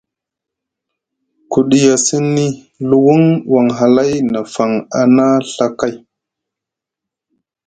Ku ɗiya sini luwuŋ won hlay na faŋ a na Ɵa kay.